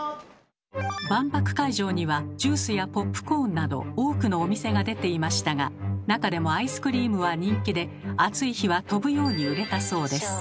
万博会場にはジュースやポップコーンなど多くのお店が出ていましたがなかでもアイスクリームは人気で暑い日は飛ぶように売れたそうです。